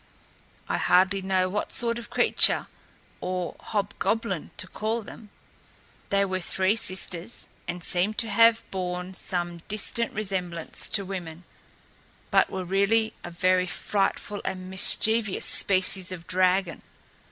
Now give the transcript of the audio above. I hardly know what sort of creature or hobgoblin to call them. They were three sisters and seem to have borne some distant resemblance to women, but were really a very frightful and mischievous species of dragon.